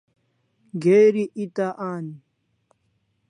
Geri eta an